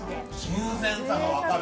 新鮮さが分かる。